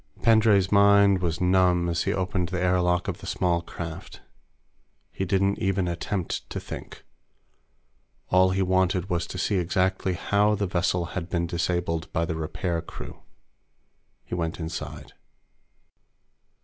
Pendray's mind was numb as he opened the air lock of the small craft. He didn't even attempt to think. All he wanted was to see exactly how the vessel had been disabled by the repair crew. He went inside.